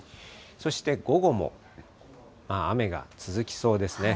そして、午後も雨が続きそうですね。